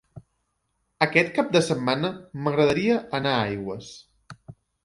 Aquest cap de setmana m'agradaria anar a Aigües.